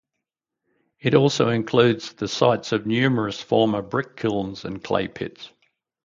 It also includes the sites of numerous former brick kilns and clay pits.